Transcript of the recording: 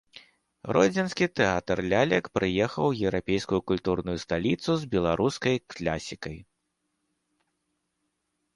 Гродзенскі тэатр лялек прыехаў у еўрапейскую культурную сталіцу з беларускай класікай.